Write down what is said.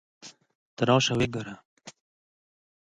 ته راشه ویې ګوره.